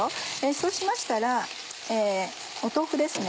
そうしましたら豆腐ですね。